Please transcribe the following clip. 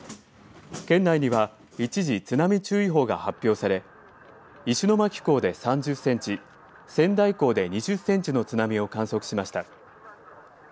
県内には一時、津波注意報が発表され石巻港で３０センチ、仙台港で２０センチの津波を観測しました。